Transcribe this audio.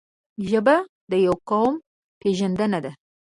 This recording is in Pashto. ژبه د یو قوم پېژند دی.